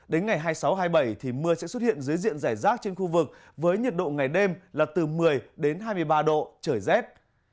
đến ngày hai mươi sáu hai mươi bảy thì mưa sẽ xuất hiện dưới diện giải rác trên khu vực với nhiệt độ ngày đêm là từ một mươi đến hai mươi ba độ trời rét